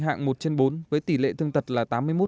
hạng một trên bốn với tỷ lệ thương tật là tám mươi một